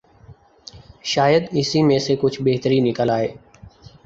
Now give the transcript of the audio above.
شاید اسی میں سے کچھ بہتری نکل آئے۔